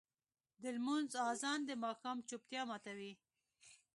د لمونځ اذان د ماښام چوپتیا ماتوي.